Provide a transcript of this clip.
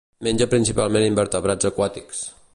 Menja principalment invertebrats aquàtics.